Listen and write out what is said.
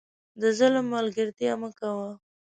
د ظالم ملګرتیا مه کوه